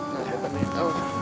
nah gue beneran tau